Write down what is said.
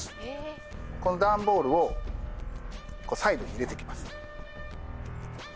この段ボールをサイドに入れていきます。